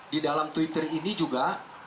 di dalam twitter ini juga